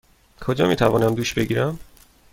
کجا می توانم دوش بگیرم؟